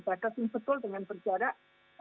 batasin betul dengan berjarak